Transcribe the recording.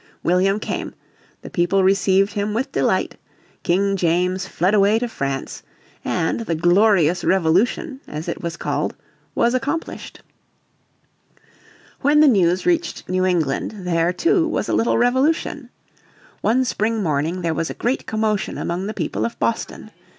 William came, the people received him with delight, King James fled away to France, and the "glorious Revolution," as it was called, was accomplished. When the news reached New England there, too, was a little revolution. One spring morning there was a great commotion among the people of Boston.